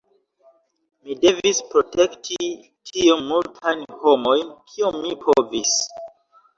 Mi devis protekti tiom multajn homojn kiom mi povis".